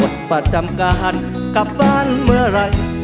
ประจำการกลับบ้านเมื่อไหร่